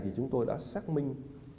thì chúng tôi đã xác minh